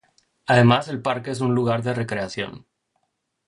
Además, el parque es un lugar de recreación.